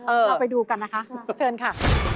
เราไปดูกันนะคะเชิญค่ะ